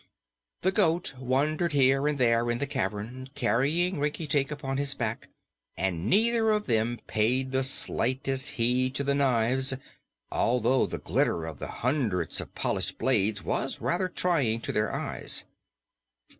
The goat wandered here and there in the cavern, carrying Rinkitink upon his back, and neither of them paid the slightest heed to the knives, although the glitter of the hundreds of polished blades was rather trying to their eyes.